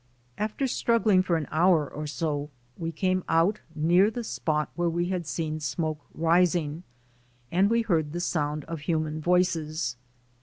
After struggling for an hour or so, we came out near the spot where we had seen smoke rising, and we heard the sound of human voices.